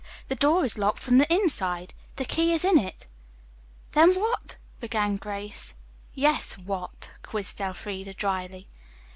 The door is locked from the inside. The key is in it." "Then what " began Grace. "Yes, what?" quizzed Elfreda dryly.